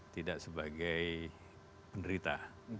tidak sebagai penderita